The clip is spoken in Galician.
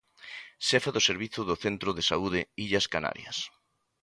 Xefa do servizo do centro de saúde Illas Canarias.